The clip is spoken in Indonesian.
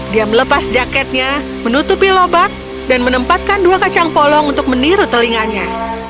dia melepas jaketnya menutupi lobak dan menempatkan dua kacang polong untuk meniru telinganya